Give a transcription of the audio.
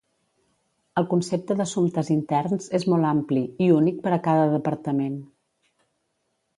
El concepte d'Assumptes Interns és molt ampli i únic per a cada departament.